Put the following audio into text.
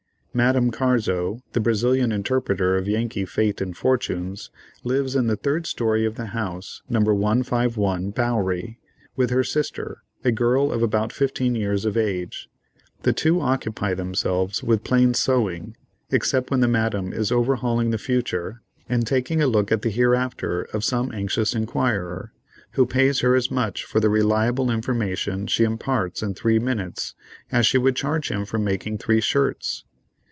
Madame Carzo, the Brazilian interpreter of Yankee fate and fortunes, lives in the third story of the house No. 151 Bowery, with her sister, a girl of about fifteen years of age. The two occupy themselves with plain sewing, except when the Madame is overhauling the future and taking a look at the hereafter of some anxious inquirer, who pays her as much for the reliable information she imparts in three minutes, as she would charge him for making three shirts.